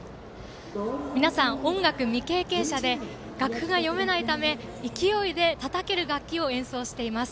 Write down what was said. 皆さん、音楽未経験者で楽譜が読めないため勢いでたたける楽器を演奏しています。